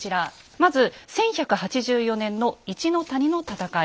まず１１８４年の一の谷の戦い。